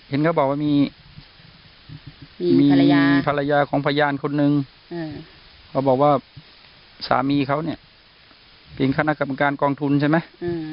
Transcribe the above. เห็นเขาบอกว่ามีภรรยาภรรยาของพยานคนนึงเขาบอกว่าสามีเขาเนี่ยเป็นคณะกรรมการกองทุนใช่ไหม